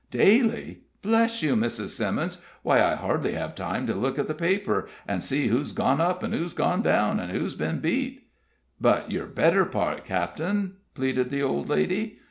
"Daily! Bless you, Mrs. Simmons! Why, I hardly have time to look in the paper, and see who's gone up, and who's gone down, and who's been beat." "But your better part, cap'en?" pleaded the old lady.